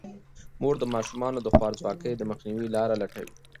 مور د ماشومانو د خوارځواکۍ د مخنیوي لارې لټوي.